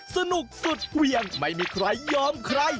สนุกสุดเวียงไม่มีใครยอมใคร